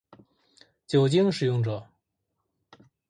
酒精使用者